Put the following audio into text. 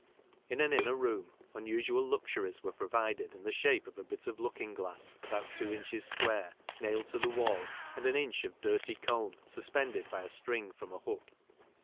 In an inner room unusual luxuries were provided in the shape of a bit of looking glass, Wi IZ° ! n ° hes ?1 uare > nailed t0 the wall, aid an ch of dirty comb suspended by a string from a hook.